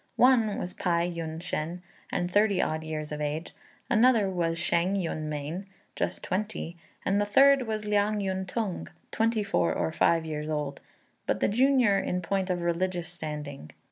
One was Pai Yün shên, and thirty odd years of age; another was Shêng Yün mien, just twenty; and the third was Liang Yün tung, twenty four or five years old, but the junior in point of religious standing.